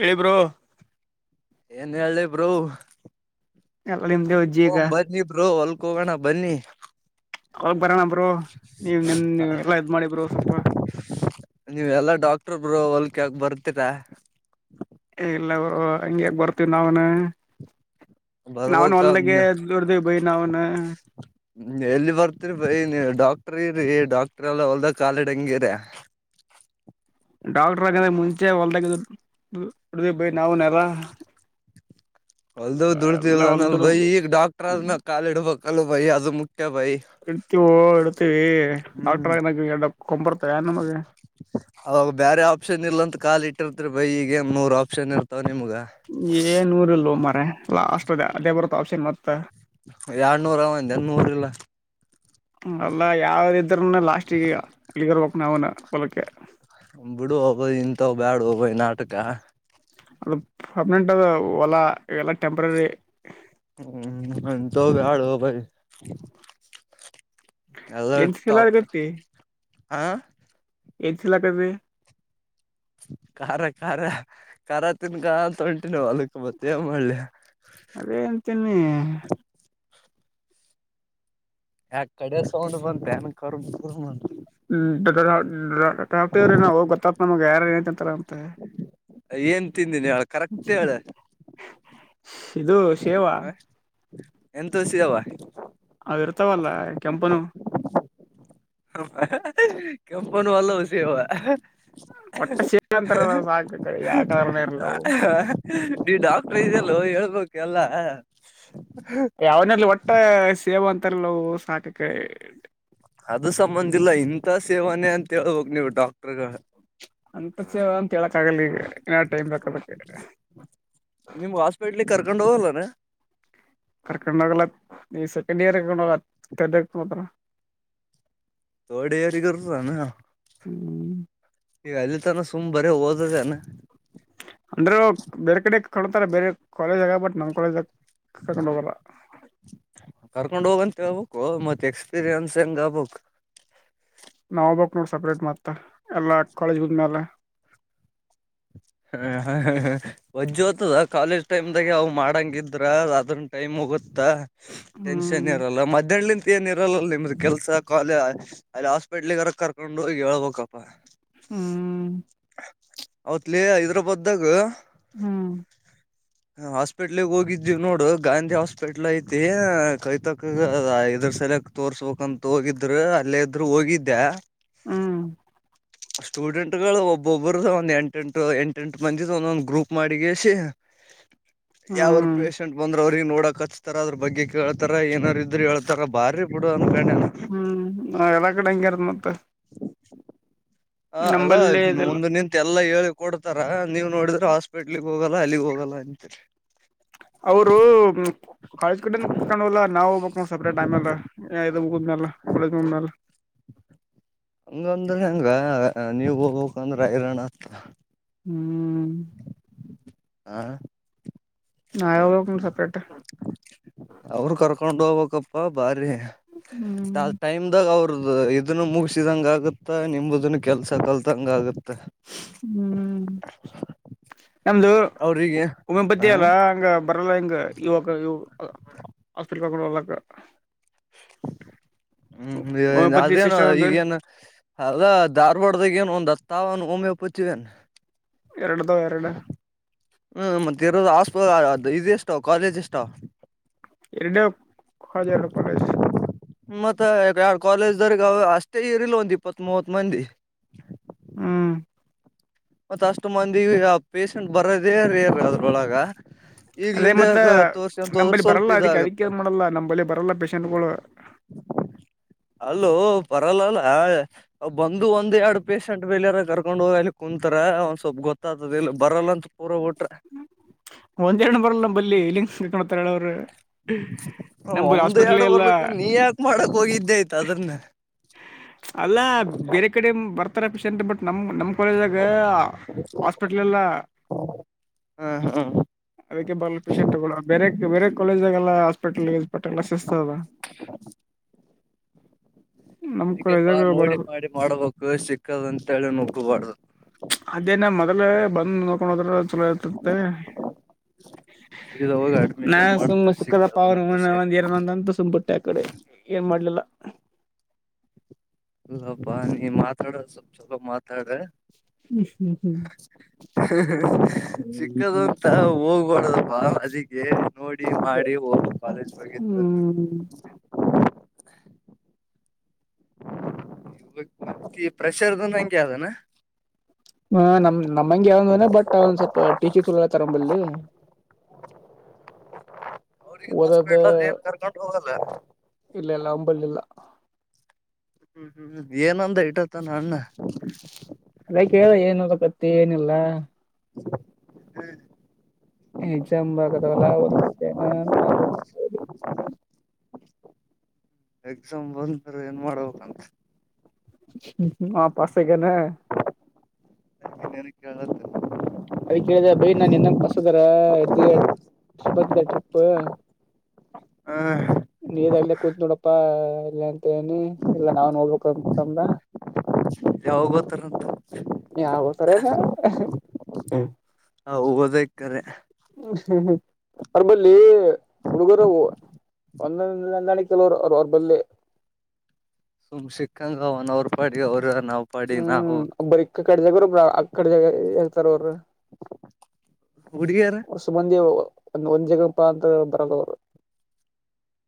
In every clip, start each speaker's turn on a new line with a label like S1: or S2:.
S1: ಹೇಳಿ ಬ್ರೊ
S2: ಏನ್ ಹೇಳಲಿ ಬ್ರೊ
S1: ಎಲ್ಲ ನಿಮ್ದೇ ಅಜ್ಜಿ ಈಗ
S2: ಅಬಾಜ ನೀ ಪ್ರ ಅಲ್ [unintelligible] ಹೋಗೋಣ ಬನ್ನಿ
S1: ಅವಾಗ ಬರೋಣ ಬ್ರೋ ನೀವ್ ನಿಮ್ ಎಲ್ಲ ಇದ್ ಮಾಡಿ ಬ್ರೋ ಸ್ವಲ್ಪ
S2: ನೀವೆ ಎಲ್ಲಾ ಡಾಕ್ಟ್ರ ಬ್ರೊ ಹೊಲ್ಕಯಕ್ ಬರ್ತೀರಾ
S1: ಎ ಇಲ್ಲ ಬ್ರೊ ಹಂಗ್ಯಾಕ್ಬರ್ತೀವಿ ನಾವನು ನಾವನ್
S2: ಬರ್ಬೇಕ
S1: ಹೊಲ್ಗೆ ದದುಡ್ದವಿ ಬೈ ನಾವನ್ [unintelligible]
S2: ಎಲ್ಲಿ ಬರ್ತರಿ ಬಿಡಿ ನೀ ಡಾಕ್ ಡಾಕ್ಟ್ರಿ ರರಿ ಡಾಕ್ಟ್ರ ಎಲ್ಲ ಹೊಲ್ದ ಕಾಲಿಡಂಗಿರ
S1: ಡಾಕ್ಟ್ರ ಆಗಂದ್ರೆ ಮುಂಚೆ ಹೊದಾಗಡ [unintelligible] ಬೈ ನಾವು ನರ
S2: ಹೊಲ್ದ ದುಡತಿಲ್ಲ್ಲ ಬೈ ಈಗ ಡಾಕ್ಟರ್ ಅದನ ಕಾಲಿ ಇಡ್ಬೇಕಲ್ ಬೈ ಅದು ಮುಖ್ಯ.. [unintelligible]
S1: ಇಡ್ತೀವೋ ಇಡ್ತೀವಿ
S2: ಹ್ಮ್
S1: ಡಾಕ್ಟ್ರಗ ಎರಡಕೂಮ್ಬರ್ತವನ ನಮಗ..
S2: ಅವಾಗ ಬೇರೆ ಆಪ್ಷನ್ ಇಲ್ಲ ಅಂತ ಕಾಲ ಇಟ್ಟಿರ್ತ್ರಿ ಬೈ ಈಗ ನೂರ್ ಆಪ್ಷನ್ ಇರ್ತವ..
S1: ಏ ನೂರಲ್ ಮರ ಲಾಸ್ಟ್ ಅ ಅದೇ ಬರುತ್ ಅಪ್ಸನ್ ಮತ್ತ..
S2: ಎರಡ್ನೂರ ಒಂದ ನೂರ್ ಇಲ್ಲ
S1: ಅಲ್ಲಾ ಯಾವ ಇದ್ರ ಲಾಸ್ಟಿಗೆಗ ಅಲ್ಲಿಗ ಇರ್ಬೇಕಕ್ ನಾವನು ಹೊಲಕ್ಕೆ
S2: ಬಿಡು ಹಬ್ಬಯ್ ಇಂತವ ಬ್ಯಾಡ ಹಬಯ ನಾಟಕ
S1: ಅದು ಪರ್ಮನೆಂಟ್ ಅದು ಹೊಲಾ ಇವೆಲ್ಲ ಟೆಂಪ್ರರಿ
S2: ಹ್ಮ್ ಅಂತವ್ ಬ್ಯಾಡೋ ಬಾಯ್ ಎಲ್ಲ
S1: ಏನ್ ಸಿಲ ಆಗತಿ
S2: ಆಾ [unintelligible]
S1: ಏಲ್ಲ ಕವೆ [unintelligible]
S2: ಖಾರ ಖಾರ ಖಾರ ತಿನ್ಕ ಅಂತ ಒಂಟಿನಿ ಹೊಲ್ಕ್ ಮತ್ತೇನ್ ಮಾಡ್ಲಿ
S1: ಅದೇ ಅಂತನಿ
S2: ಯಾ ಕಡೆ ಸೌಂಡ್ ಬಂತೇನ್ ಕರುಮ್ ಕರುಮ್
S1: ಕಾವ್ರೀ ನಾ ಹೋಗ್ ಗೊತ್ತತ್ ನಮಗೆ ಯಾರ ಏನತಿಂತರ [unintelligible]
S2: ಏನ್ ತಿಂದನಿ ಹೇಳ ಕರೆಕ್ಟ್ ಹೇಳ
S1: ಇದು ಶೇವಾ
S2: ಎಂತೋಸಿದಾವ
S1: ಅವಿರ್ತಾವಲ್ಲ ಕೆಂಪನವು
S2: ಕಂಪನ್ ವಾಲೋ ಸವ
S1: ಒಟ್ಟ ಸೇವಾ ಅಂತಾರಲ್ಲ ಸಾಕ ಯಾವ ಕಲರ್ನ ಇರ್ಲವು
S2: [unintelligible] ನಿ ಡಾಕ್ಟ್ರ ಇದಲ್ಲ ಹೇಳ್ಬೇಕ ಎಲ್ಲ
S1: ಅವನಲ್ಲಿ ಒಟ್ಟ ಸೇವಾ ಅಂತಾರೆಲ್ಲ ಸಾಕಕ್ಕೆ
S2: ಅದು ಸಂಬಂದಿಲ್ಲ ಇಂತ ಸೇವನೆ ಅಂತ ಹೇಳ್ಬಕ್ ನೀವು್ ಡಾಕ್ಟರ್ಗಳ
S1: ಅಂತ ಸೇವ ಅಂತ ಹೇಳಕ್ ಆಗಲ್ಲ ಈಗ ಇನ್ನ ಟೈಮ್ ಬೇಕದಕ್ಕೆ
S2: ಕರ್ಕೊಂಡು ಹೋಗಲ್ಲ ನ
S1: ಕರ್ಕೊಂಡಾಗಲ್ಲ ಈ ಸೆಕೆಂಡ್ ಇಯರ್ ಹಕೊಂಡ ತರ್ ಮಾತ್ರ
S2: ೋಡೆ ಯಾರಿ ಗತಾನ [unintelligible]
S1: ಹ್ಮ್
S2: ಈಗ ಅಲ್ಲಿ ತಾನ ಸುಮ್ ಬರ ಓದದ ಅನ
S1: ಅಂದ್ರೆ ಬೇರೆ ಕಡೆ ಕಾಣತಾರ ಬೇರೆ ಕಾಲೇಜಗ ಬಟ್ ನಮ್ಮ್ ಕಾಲೇಜಾಗ ಸಕಂಡವಳ
S2: ಕರ್ಕೊಂಡ್ ಹೋಗಂತ ಹಬಕ್ು ಮತ್ ಎಕ್ಸ್ಪೀರಿಯನ್ಸ್ ಹೆಂಗ ಆಬಕ್
S1: ನಾವಬಕ್ ನೋಡ ಸಪ್ರೇಟ್ ಮತ್ತ ಎಲ್ಲಾ ಕಾಲೇಜ್ ಬದ್ಮ್ಯಾಲ
S2: ಹ ವಜ್ಜ್ ಹತದ ಕಾಲೇಜ್ ಟೈಮ್ ದಾಗೆ ಅವ್ ಮಾಡಂಗಿದ್ರ ಅದನ್ ಟೈಮು ಗುತ್ತಾ ಟೆನ್ಷನ್
S1: ಹ್ಮ್
S2: ಇರಲ್ಲ ಮಧ್ಯಾಹ್ಲಿಂತ ಏನ್ ಇರಲ್ಲಲ್ಲ ನಿಮ್ದು ಕೆಲ್ಸ ಕಾಲೇಜ ಅಲ್ಲಿ ಹಾಸ್ಪಿಟ್ಲ್ಗೆರ ಕರ್ಕೊಂಡು ಹೋಗಿ ಹೇಳ್ಬಬೇಕಪ್ಪಾ
S1: ಹ್ಮ್
S2: ಅವತ್ಲಿ ಹೈದ್ರಾಬಾದ್ದಾಗ
S1: ಹ್ಮ್
S2: ಹಾಸ್ಪಿಟ್ಲ್ಗ್ ಹೋಗಿದೀವಿ ನೋಡು ಗಾಂಧಿ ಹಾಸ್ಪಿಟ್ಲ್ ಐತಿ ಕೈತಕ ಇದ್ರ ಸಲಯಕ್ ತೋರ್ಸ್ಬೇಕಕ್ಂತ ಹೋಗಿದ್ರು ಅಲ್ಲೇ ಇದ್ರು ಹೋಗಿದ್ದೆ
S1: ಹ್ಮ್
S2: ಸ್ಟೂಡೆಂಟ್ ಗಳು ಒಬ್ಬೊಬ್ಬರು ಒಂದು ಎಂಟು ಂ ಎಂಟಟ್ ಬಂದ ಒಂದೊಂದ ಗ್ರೂಪ್ ಮಾಡಿಗ ಯಾವರ
S1: ಹ್ಮ್
S2: ಪೇಷೆಂಟ್ ಬಂದ್ರ ಅವರು ನೋಡಕ್ ಹಚ್ತಾರ ಅದ್ರ ಬಗ್ಗೆ ಕೇಳ್ತಾರ ಏನಾರ ಇದ್ರರು ಹೇಳ್ತಾರ ಬಾರಿ ಕೂಡ
S1: ಹ್ಮ್ ಎಲ್ಲಾ ಕಡೆ ಹಂಗ್ಯಾರದ ಮತ್ತೆ
S2: ಹ ಅಲ
S1: ನಂಬಲ್ಲಿ ಇದೆಲ್ಲ
S2: ಮುಂದ ನಿಂತೆ ಎಲ್ಲಾ ಹೇಳಿ ಕೊಡ್ತಾರ ನೀವು್ ನೋಡಿದ್ರೆ ಹಾಸ್ಪಿಟ್ಲಗ್ ಹೋಗಲ್ಲ ಅಲ್ಲಿಗ್ ಹೋಗಲ್ಲ ಅಂತ
S1: ಅವರು ಕಾಲೇಜ್ ಕಡೆ ಕರ್ಕೊಂಡ್ ಹೋಗಲ್ಲ ನಾವ್ ಹೋಗ್ಬೇಕ್ ನೋಡ್ ಸಪ್ರೇಟ್ ಆಮ್ಯಾಲ ಇದು ಮುಗಿದ್ಮ್ಯಾಲ ಕಾಲೇಜ್ ಮುಗಿದ್ಮ್ಯಾಲ
S2: ಹಂಗಂದ್ರೆ ಹಂಗ ನೀವ ಹೋಗ್ಕ್ಂದ್ರೆ ಹೈರಾಣ ಅ
S1: ಹ್ಮ್
S2: ಹಾ
S1: ನಾ ಸೆಪರೇಟ್
S2: ನ ಹಪ್ಪ ಬಾರಿ
S1: ಹ್ಮ್
S2: ಟೈಮ್ ದಾಗ ಅವ್ರ ಇದನ್ನು ಮುಗಸಿದಂಗ ಆಗುತ್ತಾ ನಿಂಬುದನ್ನು ಕೆಲ್ಸ ಕಲ್ತಂಗ ಆಗುತ್ತ
S1: ಹ್ಮ್ ನಮ್ದು
S2: ಅವ್ರಿಗೆ
S1: ಉಮ್ಯೋಪತಿ
S2: ಹ
S1: ಅಲ್ಲ ಹಂಗ ಇತ್ರಲಯಂಗ ಯುವಕ ಆಸ್ಪಕಡಲ್ಲ
S2: ಹ್ಮ್ ಅದೇನು ಈಗೇನು ಅದ ಧಾರ್ವಾಡ್ದಾಗ ಏನು ಒಂದ್ ಹತ್ತಾವ ಮಮ್ಮೆ ಪಚಿವನ್
S1: ಎರಡದ ಎರಡು
S2: ೋ ಅದು ಇದು ಎಷ್ಟೋ ಕಾಲೇಜ್ ಎಷ್ಟ
S1: ಎಡೆ ಹಜಾರ ಪಾಲೇಜ
S2: ಮತ್ತ ಎರ ಕಾಲೇಜ ದರ್ಗ ಅಷ್ಟೇ ಇರ್ಿಲ್ಲ ಒಂದ್ ಇಪ್ಪತ್ ಮೂವತ್ ಮಂದಿ
S1: ಹ್ಮ್
S2: ಮತ್ತ ಅಷ್ಟು ಮಂದಿಗ ಪೇಶೆಂಟ್ ಬರದೇ ರ ಅದ್ರೊಳಗ
S1: ಅದೇ
S2: ಈಗ್ಲಿಂದ
S1: ಮತ್ತ
S2: ಯಾಕ ಹತ್ತು ವರ್ಷ ಅಂತ ಹೋದ್ರೆ
S1: ನಂಬಲ್ಲಿ
S2: ಸ್ವಲ್ಪ
S1: ಬರಲ್ಲ ಅದಕ್ಕೆ ಅದಕ್ಕೆ
S2: ಇದಾಗತ್ತೆ
S1: ಏನ್ ಮಾಡಲ್ಲ ನಂಬಲ್ಲಿ ಬರಲ್ಲ ಪೇಶೆಂಟ್ಗಳು
S2: [unintelligible] ಅಲ್ಲೂ ಪರಲ್ಲಲ್ಲ ಬಂದು ಒಂದ್ ಎರಡು ಪೇಷೆಂಟ್ ಬೆಳಾರ ಕರ್ಕೊಂಡ್ ಹೋಗಲಿ ಕುಂತರ ಒಂದ್ ಸ್ವಲ್ಪ ಗೊತ್ತಾಗತದ ಇಲ್ಲಿ ಬರಲ್ಲ ಅಂತ ಪೂರ ಬಿಟ್ರ
S1: ಒಂದ್ ಎರಡ್ ಬರಲ್ಲ ಬಲ್ಲಿ ಇಲ್ಲಿಂಗ ಕಕೊಂಡತಾರ ಹೇಳ ಅವ್ರರು
S2: ಒ್ದ ಎರಡು
S1: ಎಲ್ಲ
S2: ಬರ್ಲಕ್ಕ ನೀ ಯಾಕ ಮಾಡಕ್ ಹೋಗಿದ್ದೆ ಆಯ್ತು ಅದ್ರನ್ನ
S1: ಅಲ್ಲ ಬೇರೆ ಕಡೆ ಬರ್ತ ರ ಪಷಿಯಂಟ್ ಬಟ್ ನಮ ನಮ್ಮ್ ಕಾಲೇಜಾಗ ಹಾಸ್ಪಿಟ್ಲ್ ಎಲ್ಲ
S2: ಹಾ ಹ
S1: ಅದಕ್ಕೆ ಬರ್ಲ ಪೇಶಷೆಂಟ್ಗಳು ಬೇರೆ ಬೇರೆ ಕಾಲೇಜಾಗಲ್ಲ ಹಾಸ್ಪಿಟಲ್ ಪಟ್ಟೆಲ್ಲ ಸಿಿಸ್ತದ
S2: [unintelligible]
S1: ನಮ್
S2: ಇದಕ್ಕೆಪ್ಪಾ
S1: ಕಾಲೇಜ್ದಾಗ
S2: ನೋಡಿ
S1: ಬರಲ್ಲ
S2: ಮಾಡಿ ಮಾಡಬೇಕು ಸಿಕ್ಕದ ಅಂತೇಳಿ ನಗ್ಗಬಾರು
S1: ಅದೇನ ಮೊದಲೇ ಬಂದು ನೋಕೊಂಡು ಹೋದ್ರ ಚಲೋ ಇತತ್ತೆ
S2: ಇ
S1: ನಾ ಸುಮ್ ಶುಕ್ರ ಪಾವನ ಒ ಒಂದ್ ಎರಡು ಒಂದ ಅಂತ ಸುಮ್ ಬಿುಟ್ಟೆ ಆ ಕಡೆ ಏನ್ ಮಾಡ್ಲಿಲ್ಲ
S2: ಇಲ್ಲ ಬ ನೀ ಮಾತಾಡ ಚಲೋ ಮಾತ
S1: ನಿ ಹ
S2: ಸಿಕ್ಕದು ಅಂತ ಹೋಗ್ಬಡದಪ್ಪಾ ಅದಕ್ಕೆ ನೋಡಿ ಮಾಡಿ ಕಾಲೇಜ ವ
S1: ಹ್ಮ
S2: ಇ ಮತ್ತ ಪ್ರೆಷರ್ದು ಹೆಂಗೆ ಅಾನ
S1: ಹಾ ನಮ್ ನಮ್ಮಂಗಗೆ ಯಾವಂದ ಬಟ್ ಅವಂದ್ ಸ್ವಲ್ಪ ಟೀಚಿ ಚ ತರಂಬಲ್
S2: ಅವ್ರಗ ಹಾಸ್ಪಿಟ್ಲ ಏನ್ ಕರ್ಕೊಂಡು ಹೋಗಲ್ಲ
S1: ಇಲ್ಲ ಇಲ್ಲ ಅಂಬಲ್ ಇಲ್ಲ
S2: ಹ್ಮ್ ಹ್ಮ್್ಮ್ ಏನ್ಂತ್
S1: ಅದ ಕೇಳ ಏನುದ್ ಕತ್ತಿ ಏನಿಲ್ಲ
S2: ಹ್ಮ್
S1: ಎಕ್ಸಾಮ್ ಬರದವಲ್ಲ ಒದಕತ್ ಏನಂತ
S2: ಎಕ್ಸಾಮ್ ಬಂತುರ್ ಏನ್ ಮಾಡ್ಬೇಕಂತ
S1: ಹ್ಮ್ ಹ್ಮ್ ಆ ವಾಪಾಸ್ ಹೋಗನ
S2: ಏನು ಕ್ಕೆೇಳತ
S1: ಅದ ಕೇಳಿದೆ ಬೈಿ ನಾನ್ ಎನ್ನಂಗ ಪಸ್ದಾರ ಎಡ್ತಿ ಟ್ರಿಪ್
S2: ಹ
S1: ನೀಲ್ಲ ಕೂತ್ ನೋಡಪ್ಪ ತೇನಿ ಇಲ್ಲ ನಾನ್ ಹೋಗಬೇಕು ಅಂತ್ ಅಂದ
S2: ಯಾವಾಗ ಗೊತ್ತಾರಂತ
S1: ಯಾವತರದ
S2: ನಾ ಓದ ಕ್ರ
S1: ಹ್ಮ್್ಮ್ ಅರ್ಬಲ್ಲಿ ಹುಡುಗರ ಒಂದೊಂದಂದಾಣ ಕೆಲವರು ಅವ ಅವ್ರ ಬಲ್ಲೆ
S2: ಸುಮ್ ಸಿಕ್ಕಂಗ ಅವನ ಅವ್ರು ಪಾಡಿ ಅವ್ರ ನಾವ್ ಪಾಡಿ ನಾವು
S1: ಹ್ಮ್ ಒಬ್ಬರಿಕ್ಕ ಕಡ್ಜಾಗ ಬ ಆ ಕಡ್ಜಾಗ ಹೇಳ್ತಾರ ಅವರು
S2: ಹುಡುಗಿಯರ
S1: ಹೊಸು ಮಂದಿ ಒ ಒಂದ್ ಜಗಪ್ಪ ಅಂತ ಬರದವರು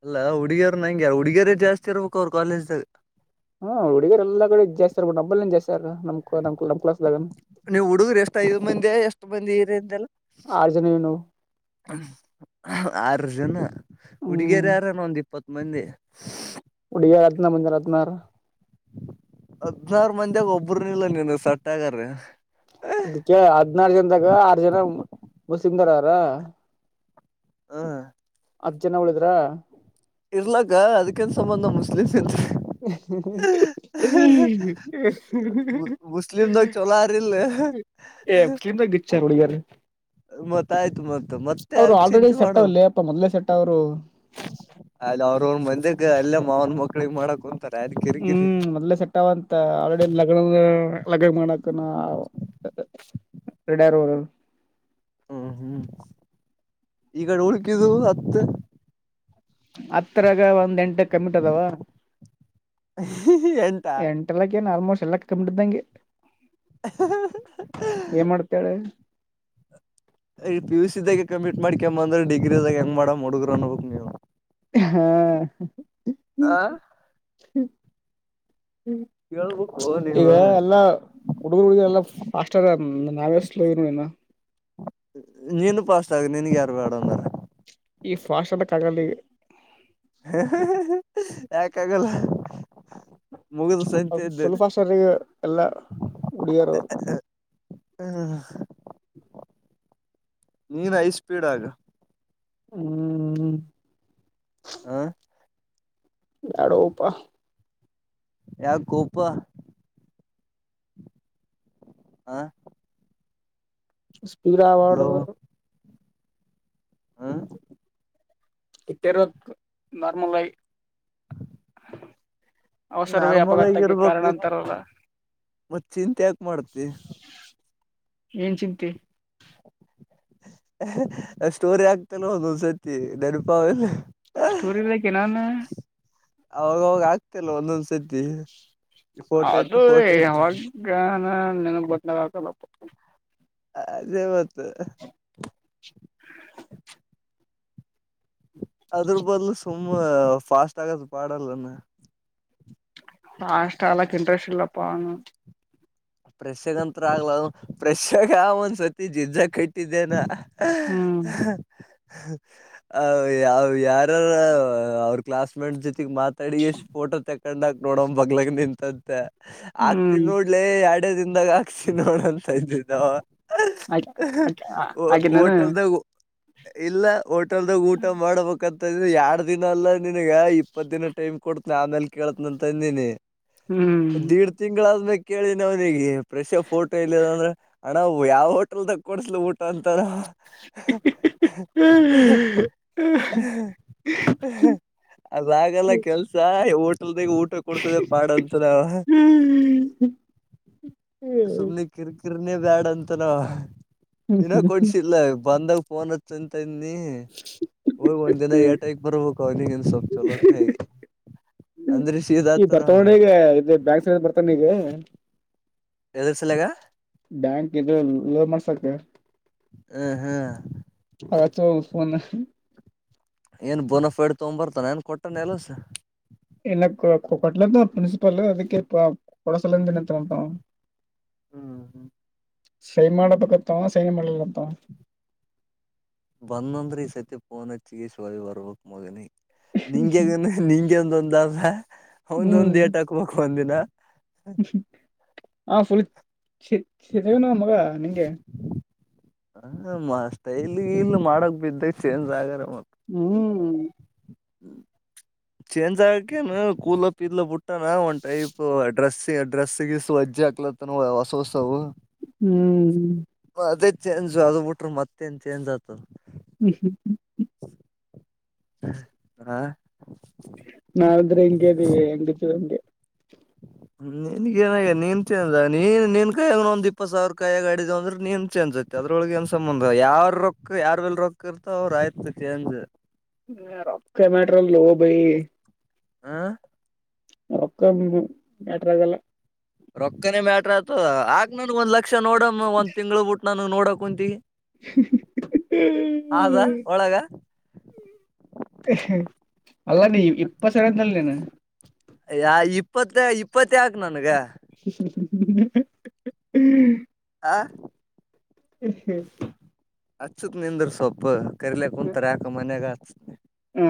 S2: ಅಲ್ಲಾ ಹುಡುಗಿಯರ ನಂಗೆ ಯಾರ ಹುಡುಗಿಯರೇ ಜಾಸ್ತಿ ಇರ್ಬೇಕು ಅವ್ರು ಕಾಲೇಜ್ದಾಗ
S1: ಹು ಹುಡುಗಿರ ಎಲ್ಲಾ ಕಡೆ ಜಾಸ್ತಿ ಆಗ್ಬಿಟರ ಡಬ್ಬಲ್ ಜಾಸ್ತಿ ಸರ್ ನಮ ನಮ ಕುಳ್ನ ನಮ್ಮ ಕ್ಲಾಾಸ
S2: ನೀವ್ ಹುಡುಗರು ಎಷ್ಟ್ ಐದ್ ಮಂದಿ ಎಷ್ಟ್ ಮಂದಿ
S1: ಆರ್ಜನ ನಾವು
S2: ಹುಂ ಆ ಆರ್ ಜನ
S1: ಹ್ಮ್
S2: ಹುಡುಗಿಯರ ಯಾರಾನ ಒಂದ್ ಇಪ್ಪತ್ ಮಂದಿ
S1: ಹುಡಿಗೆ ಬಂದ ರತ್ನ ಮುಂಂದೆ ಹದನಾರು
S2: ಹದ್ನನಾರ್ ಮಂದಾಗ ಒಬ್ಬ್ರನಲ್ಲ ನೀನು ಸತ್ ಆಗಾರ
S1: ಅದಕ್ಕೆ ಹದ್ನಾರು ಜನದಾಗ ಆರ್ ಜನ ಮುಸ್ಲಿಂಮದಾಗರ ಅವಾರ
S2: ಹ
S1: ಹತ್ ಜನ ಉಳಿದ್ರ
S2: ಇರ್ಲಕ್ಕ ಅದಕೇನ್ ಸಂಬಂದ ನ ಮುಸ್ಲಿಂಮಸ್ ನ್ ಹ ಹಾ ಮುಸ್ಲಿಂಮ ದ ಚೊಲೋರಿಲ್ಲೇ ಹ
S1: ಏ ಮುಸ್ಲಿಂಮದಾಗ ರಿಚ್ಚ್ ಅವರೇ ಹುಡುಗಿಯರು
S2: ಮತ್ ಆಯ್ತು ಮತ್ ಮತ್ತೆ ಆ
S1: ಅವ್ರು
S2: ಯಾಕ್
S1: ಆಲ್ರೆಡಿ
S2: ಚಿಂತೆ
S1: ಸೆಟ್
S2: ಮಾಡು
S1: ಅವಲ್ಲೇ ಅಪ್ಪ ಮೊದ್ಲೇ ಸೆಟ್ ಅವರು
S2: ಹಲೋ ಕುಂತಾರ ಅದ್ ಕಿರಿಕಿರಿ
S1: ಹ್ಮ್ ಮೊದ್ಲೇ ಸೆಟ್ಟ್ಗಂತ ಆಲ್ರೆಡಿ ಲಗ್ನವೇ ಲಗ ಮಾಡಕನು ಆ ರೇಡಿ ಅವರೇ ಅವರು
S2: ಹ್ಮ ಹ್ಮ್ ಈಗಡೆ ಉುಳ್ಕಿದವು ಹತ್ತು
S1: ಹತ್ರರಗ ಒಂದ್ ಎಂಟ್ ಕಯಮಟೇ ಇದವ
S2: ಎಂಟಾ
S1: ಏನ್ ಆಲ್ಮೋಸ್ಟ್ ಎಲ್ಲ ಕಯಮ್ಟ್ ಇದ ಹಾಗೆ
S2: ಹ ಹಾ ಹಾ
S1: ಏನ್ ಮಾಡ್ತೇಳ
S2: ಈ ಪಿಯುಸಿ ಇದಾಗಲೇ ಕಮೀಟ್ ಮಾಡ್ಕೊ ಬಂದ್ರೆ ಡಿಗ್ರಿಿದಾಗ ಹೆಂಗ್ ಮಾಡ ಹುಡುಗರು ಅನ್ಬಬೇಕ್ ನೀವು
S1: ಹಾ ಹಾ
S2: ಆ
S1: ಹ್ಮ್
S2: ಕೇಳ್ಬೇಕು
S1: ಈಗ
S2: ನೀವು
S1: ಎಲ್ಲಾ ಹುಡುಗರು ಹುಡುಗ ಎಲ್ಲಾ ಫಾಸ್ಟ್ ನಾವೇ ಸ್ಲೋ ಏನ
S2: ನೀನು ಪಾಸ್ಟ್ ಆಗು ನಿನ್ಗೆ ಯಾರು ಬೇಡ ಅಂದಾರ
S1: ಈ ಫಾಸ್ಟ್ ಅದಕ್ಕ ಆಗಲ್ಲ ಇಗ
S2: ಹೇ ಹೇ ಯಾಕ್ ಅಗಲ
S1: ಫುಲ್ ಫಾಸಟ್ ರ್ರಿ ಇಗ ಎಲ್ಲಾ ಹುಡಿಗಿಯರ ಅವರು
S2: ಹಾ
S1: [unintelligible]
S2: ನೀನ್ ಐ ಸ್ಪೀಡ್ ಆಗ್
S1: ಹ್ಮ್್ಮ
S2: ಹ
S1: ಯಡೋಪ್ಪಾ
S2: ಯಾವ ಕೋಪ ಹ
S1: ಸ್ಪೀರ ಅವಾರ್ಡ್
S2: ಹಲೋ ಹ
S1: [unintelligible] ನಾರ್ಮಲ್ ಆಗಿ ಅವಸರವೇ
S2: ನಾರ್ಮಲ್ ಆಗಿ
S1: ಅಪಘಾತಕ್ಕೆ ಕಾರಣ
S2: ಇರ್ಬೇಕು
S1: ಅಂತಾರಲ್ಲ
S2: ಮತ್ತ ಚಿಂತ್ ಯಾಕ ಮಾಡ್ತಿ
S1: ಏನ್ ಚಿಂತೆ
S2: ಸ್ಟೋರಿ ಆಗ್ತಾನೋ ಒಂದ್ಸತಿ ನೆನಪ ಅವಲ್ಲ
S1: ಸ್ಟೋರಿ ಲೈಕ್ ನಾನು
S2: ಅವಾಗವಾಗ ಆಗ್ತಿಲ್ಲ ಒಂದೊಂದ್ ಸತಿ ಫೋಟೋ
S1: ಅದು
S2: ಇಟ್ಟು ಫೋಟೋ ಇಟ್ಟು
S1: ಯಾವಾಗ [unintelligible]
S2: ಅದೇವತ್ತು
S1: [inaudible]
S2: ಅದ್ರ ಬದ್ಲು ಸುಮ್ಮ ಫಾಸ್ಟ್ ಆಗದು ಪಾಡಲ್ಲನ
S1: [unintelligible] ಇಂಟ್ರೆಸ್ಟ್ ಇಲ್ಲಪ್ಪ
S2: ಪ್ರೆಶಗ ಅಂತ್ರ ಆಗ್ಲ ಪ್ರೆಶಗ ಆ ಒಂದ್ಸರ್ತಿ ಜಿಜ್ಜ ಟ್ಟಿದೆೇನ
S1: ಹ್ಮ್
S2: ಯಾವ ಯಾರಾರ ಅವ್ರ ಕ್ಲಾಸ್ ಮೇಟ್ ಜೊತೆ ಗ್ ಮಾತಾಡಿ ಎಷ್ಟ್ ಫೋಟೋ ತಕೊಂಡಾಕ ನೋಡ ಬಗ್ಲಗ್ ನಿಂತಂತೆ ಆಕ್ತಿ
S1: ಹ್ಮ್
S2: ನೋಡ್ಲ ಎರಡ ದನ್ದಾಗ ಹಾಕ್ತಿ ನೋಡಂತ ಇದ್ದಿದ್ದಾವ
S1: ಆಗ ಹಾಗೆ ನಾನು
S2: ಹೋಟೆಲ್ದಗ ಇಲ್ಲ ಹೋಟೆಲ್ದಾಗ ಊಟ ಮಾಡ್ಬೇಕಂತ ಯಾರ್ಡ್ ದಿನ ಅಲ್ಲ ನನ್ಗ ಇ ಇಪ್ಪತ್ತು ದಿನ ಟೈಮ್ ಕೊತನ ಆಮೇಲೆ ಕೇಳತ್ನ ಅಂತ ಅಂದಿನಿ
S1: ಹ್ಮ್
S2: ದೀಡ್ ತಿಂಗಳಾದ್ಮೇಲೆ ಕೇಳ ದಿ ಪ್ರೆಶ ಫೋಟೋ ಇಲ್ಲ ಅಂದ್ರ ಅಣ್ಣ ಯಾವ ಹೋಟೆಲ್ ಕೊಡ್ಸ್ಲ ಊಟ ಅಂತಾರ [inaudible] ಅದಾಗಲ್ಲ ಕೆಲ್ಸ ಊಟ ಕೊಡ್ಸದ ಪಾಡಂತದ ಸುಮ್ನೆ ಕಿರ್ಕಿರ್ನೆೇ ಬ್ಯಾಡ ಅಂತನಾವ ಇನ್ನ ಕೊಡ್ಸಿಲ್ಲ ಬಂದಾಗ ಫೋನ್ ಹಚ್ಚಂತ್ ನೀ ಹೋಗಿ ಒಂದ್ ದಿನ ಏಟಗ ಬರ್ಬೇಕು ಅವನಿಗ ಇನ್ ಸ್ವಲ್ಪ ಚಲೋತ್ನೇ ಆಗಿ
S1: ಈ ಬರ್ತಾವೊಂಡ ಈಗ ಇ ಬ್ಯಾಂಕ್ ಬರ್ತಾನ ಈಗ
S2: ಎದುಸಲ್ಲಗ
S1: [unintelligible] ಮಾಡ್ಸಕ
S2: ಹ್ಮ್ ಹ್ಮ್
S1: [unintelligible]
S2: ಏನ್ ಬೋನಫೈಡ್ ತೊಗೊಂಡ್ ಬರ್ತಾನ ಏನ್ ಕೊಟ್ಟಾನ ಎಲ್ಸ
S1: ಎಲ್ಲ ಕೊಟ್ಲದ ಪ್ರಿನ್ಸಿಪಲ್ ಅದಕ್ಕೆ ಇ ಕೊಡಸಲಿನತ್ಂತ ಅವ
S2: ಹ್ಮ್
S1: ಸೈ ಮಾಡ ಪ ಕತಾವ ಸೈನ ಮಾಡಲ್ಲತ
S2: ಬಂದಂದ್ರಿ ಈ ಸತಿ ಪಫೋನ್ ಹಚ್ಚಿಿಗೆ ಶಿವಾಲಿ ಬರ್ಬಕ್ ಮಗನಿ ನಿಂಗೆಗ ನಿಂಗೆ ಒಂದೊಂದ ಅಲ್ಲ ಒಂದೊಂದ್ ಏಟ್ ಹಾಕ್ಬೇಕು ಒಂದಿನ
S1: ಆ ಫುಲ್ ಚಗನ ಮಗ ನಿಂಗೆ
S2: ಹ ಸ್ಟೈಲಿ ಇಲ್ ಮಾಡಕ್ ಬಿದ್ದ ಚೇಂಜ್ ಆಗಾರ ಮತ್
S1: ಹ್ಮ್
S2: [inaudible] ಚೇಂಜ್ ಆಗಕೇನು ಕೂದಲ ಪದಲ ಬಿಟ್ಟಾನ ಒಂದ್ ಟೈಪ್ ಡ್ರೆಸ್ ಗೀಸ್ ಅಜ್ಜಿ ಆಕ್ಲತ್ತನ ಹೊಸ ಹೊಸವು
S1: ಹ್ಮ್
S2: ಅದೇ ಚೇಂಜ್ ಅದು ಬಿಟ್ರೆ ಮತ್ತೇಏನ್ ಚೇಂಜ್ ಆತದೆ
S1: ಹ್ಮ್್ಮ
S2: ಹಾ
S1: ನಾಾದ್ರೆ ಹೆಂಗಗೆ ಇದೀ ಹೆಂಗ ಹಂಗೆ
S2: [inaudible] ನನ್ಗೇನಾಗ ನೀನ್ ಚನ್ಂದ ನೀನ್ ನಿನ್ ಕಾಯಿಯಾಗ ಒಂದ್ ಇಪ್ಪತ್ ಸಾವಿರ ಕಾಯಿಿಯಗ ಆಡಿದ ಅಂದ್ರೆ ನೀನ್ ಚೇನ್ಸಕ್ ಚದ್ರೊಳಗೆ ಏನ್ ಸಂಬಂಧ ಯಾವ ರೊಕ್ಕ ಯಾರ್ ಎಲ್ ರೊಕ್ಕ ಇರ್ತೋ ಅವ್ರ ಆಯ್ತು ಚೇಂಜ್
S1: ರೊ ಮ್ಯಾಟ್ರ ಲೋ ಭೈ
S2: ಹ
S1: ಒಕ್ಕ ಮ್ಯಾ ಟ್ರಾಗಲ್ಲ
S2: ರೊಕ್ಕನೆೇ ಮ್ಯಾಟ್ರ ಆಯತು ಆಾಕ್ ನನ್ಗ್ ಒಂದ್ ಲಕ್ಷ ನೋಡಮ್ಮ ಒಂದ್ ತಿ್ಳ ಬಿಟ್ಟ ನನಗ್ ನೋಡಕ್ ಕುಂತ ಹದಾ ಒಳಗ
S1: ಅಲ್ಲ ನೀ ಇಪ್ಪ ಸರಿಂತಲ್ಲ ನನು
S2: ಯಾ ಇಪ್ಪತ್ತ ಇಪ್ಪತ್ತ ಯಾಕು ನನಗೆ
S1: ್ಮ
S2: ಹಾ
S1: ಹ
S2: ಹಚ್ಚತ್ ನಿಂದ್ರ ಸೊಪ್ಪು ಕರಿಲಕ್ ಕುಂಂತರ ಯಾಕ ಮನ್ಯಾಗ ಹಚ್ಚತ್ನ
S1: ಹ